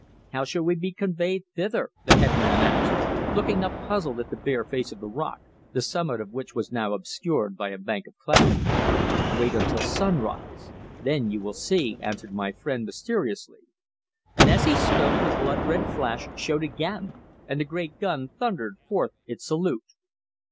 "How shall we be conveyed thither?" the headman asked, looking up puzzled at the bare face of the rock, the summit of which was now obscured by a bank of cloud. "Wait until sun rise. Then you will see," answered my friend mysteriously, and as he spoke the blood red flash showed again and the great gun thundered forth its salute.